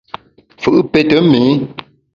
Fù’ pète méé.